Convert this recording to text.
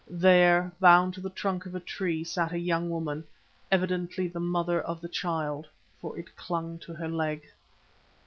There, bound to the trunk of a tree, sat a young woman, evidently the mother of the child, for it clung to her leg.